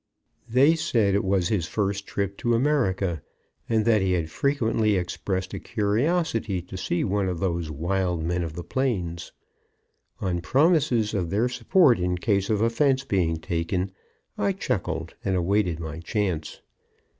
They said it was his first trip to America, and that he had frequently expressed a curiosity to see one of those wild men of the plains. On promises of their support in case of offense being taken, I chuckled and awaited my chance.